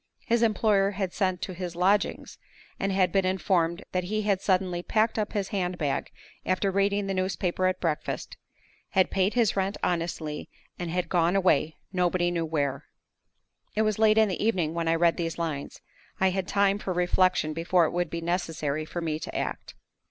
His employer had sent to his lodgings, and had been informed that he had suddenly packed up his hand bag after reading the newspaper at breakfast; had paid his rent honestly, and had gone away, nobody knew where! It was late in the evening when I read these lines. I had time for reflection before it would be necessary for me to act.